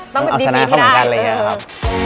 ต้องเอาชนะเขาเหมือนกันอะไรอย่างนี้ครับ